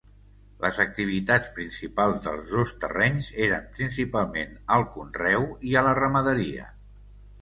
Les activitats principals dels dos terrenys eren principalment al conreu i a la ramaderia.